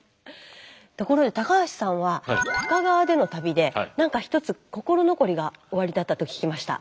ところで高橋さんは深川での旅でなんか一つ心残りがおありだったと聞きました。